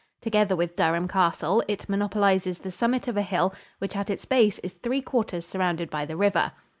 Together with Durham Castle, it monopolizes the summit of a hill which at its base is three quarters surrounded by the river.